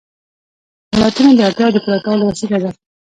ولایتونه د اړتیاوو د پوره کولو وسیله ده.